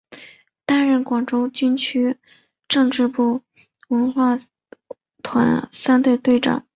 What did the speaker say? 担任广州军区政治部战士文工团三队队长。